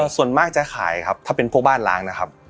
ส่วนมากจะขายครับถ้าเป็นพวกบ้านล้างนะครับ